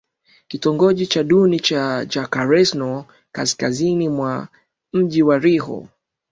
kitongoji duni cha Jacarezinho kaskazini mwa mji wa Rio